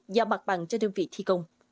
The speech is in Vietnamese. giao mặt bằng cho đơn vị thi công